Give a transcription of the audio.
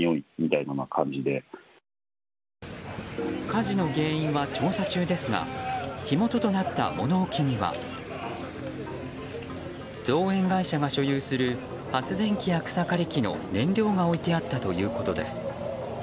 火事の原因は調査中ですが火元となった物置には造園会社が所有する発電機や草刈り機の燃料が置いてあったということです。